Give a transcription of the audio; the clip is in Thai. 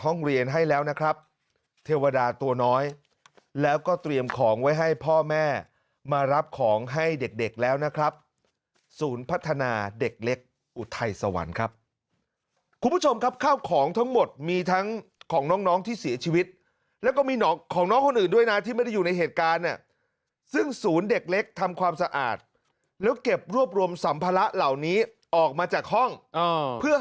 เรียนให้แล้วนะครับเทวดาตัวน้อยแล้วก็เตรียมของไว้ให้พ่อแม่มารับของให้เด็กเด็กแล้วนะครับศูนย์พัฒนาเด็กเล็กอุทัยสวรรค์ครับคุณผู้ชมครับข้าวของทั้งหมดมีทั้งของน้องน้องที่เสียชีวิตแล้วก็มีน้องของน้องคนอื่นด้วยนะที่ไม่ได้อยู่ในเหตุการณ์เนี่ยซึ่งศูนย์เด็กเล็กทำความสะอาดแล้วเก็บรวบรวมสัมภาระเหล่านี้ออกมาจากห้องเพื่อ